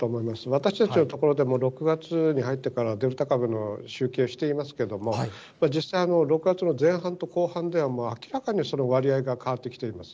私たちの所でも、６月に入ってからデルタ株の集計をしていますけれども、実際、６月の前半と後半では明らかにその割合が変わってきています。